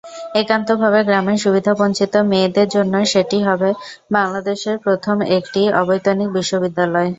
একান্তভাবে গ্রামের সুবিধাবঞ্চিত মেয়েদের জন্য সেটি হবে বাংলাদেশের প্রথম একটি অবৈতনিক বিশ্ববিদ্যালয়।